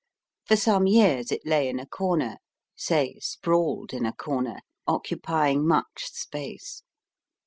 For some years it lay in a corner say, sprawled in a corner occupying much space.